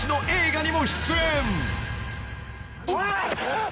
「おい！」